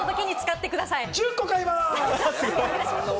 １０個買います！